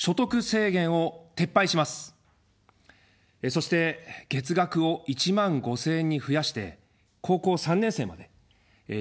そして、月額を１万５０００円に増やして高校３年生まで支給します。